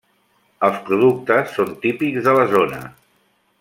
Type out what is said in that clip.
Els productes són típics de la zona.